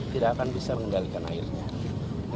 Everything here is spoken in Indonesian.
tidak akan bisa mengendalikan airnya